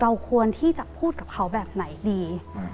ควรที่จะพูดกับเขาแบบไหนดี